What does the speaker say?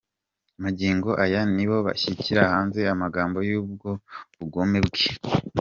Magingo aya nibo bashyira hanze amabanga y’ubwo bugome bwe.